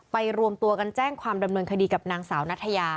รวมตัวกันแจ้งความดำเนินคดีกับนางสาวนัทยา